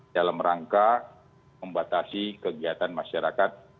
dalam rangka membatasi kegiatan masyarakat